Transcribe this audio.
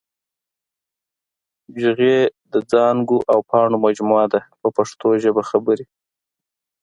جوغې د څانګو او پاڼو مجموعه ده په پښتو ژبه خبرې.